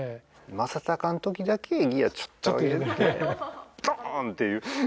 正尚の時だけギアちょっとは入れてドーンっていう。